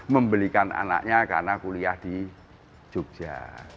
membelikan anaknya karena kuliah di jogja